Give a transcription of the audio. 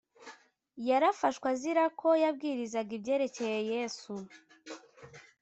yarafashwe azira ko yabwirizaga ibyerekeye yesu